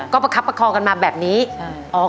ก็ประคับประคองกันมาแบบนี้